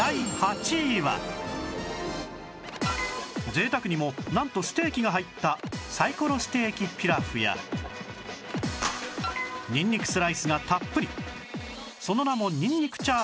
贅沢にもなんとステーキが入ったサイコロステーキピラフやにんにくスライスがたっぷりその名もにんにく炒飯など